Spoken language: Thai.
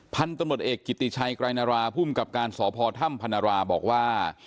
พันธุ์ตำรวจเอกกิติชัยกรายนราผู้อุ้มกับการสอพอธรรมพนราบอกว่า